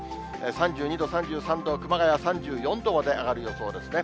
３２度、３３度、熊谷３４度まで上がる予想ですね。